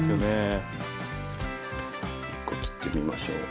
１個切ってみましょう。